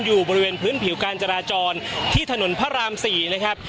อยู่บริเวณพื้นผิวการจราจรที่ถนนพระราม๔นะครับ